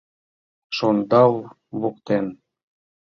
шондал воктен!